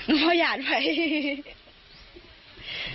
นุ้มเมาอยากไป